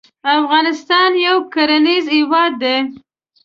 افغانستان یو کرنیز هیواد دی